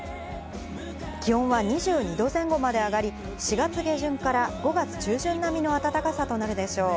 気温は２２度前後まで上がり、４月下旬から５月中旬並みの暖かさとなるでしょう。